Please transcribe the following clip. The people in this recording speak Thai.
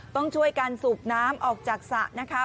ต้องช่วยกันสูบน้ำออกจากสระนะคะ